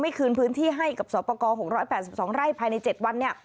ไม่คืนพื้นที่ให้กับสอปกรณ์๖๘๒ไร่ภายใน๗วัน